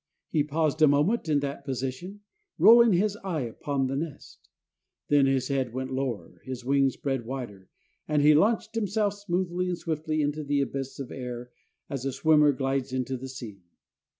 He paused a moment in that position, rolling his eye upon the nest. Then his head went lower, his wings spread wider, and he launched himself smoothly and swiftly into the abyss of air as a swimmer glides into the sea.